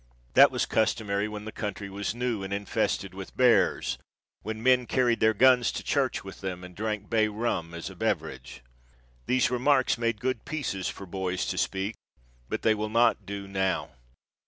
That was customary when the country was new and infested with bears; when men carried their guns to church with them and drank bay rum as a beverage. These remarks made good pieces for boys to speak, but they will not do now.